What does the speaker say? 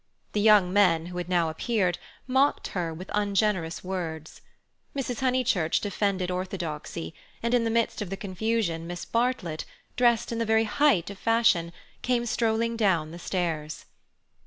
The young men, who had now appeared, mocked her with ungenerous words. Mrs. Honeychurch defended orthodoxy, and in the midst of the confusion Miss Bartlett, dressed in the very height of the fashion, came strolling down the stairs.